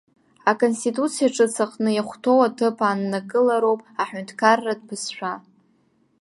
Аконституциа ҿыц аҟны иахәҭоу аҭыԥ ааннакыла роуп аҳәынҭқарратә бызшәа.